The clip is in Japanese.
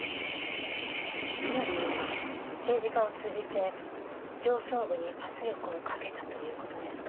つまり政治家を通じて上層部に圧力をかけたという事ですか。